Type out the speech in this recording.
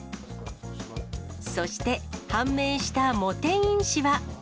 そして判明したモテ因子は。